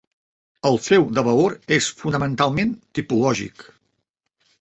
El seu de valor és fonamentalment tipològic.